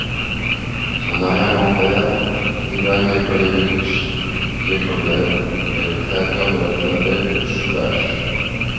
Son arrière grand-père, Ivan Yakovlevitch Yakovlev, est le créateur de l'alphabet tchouvache.